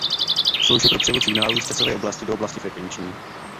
Slouží pro převod signálů z časové oblasti do oblasti frekvenční.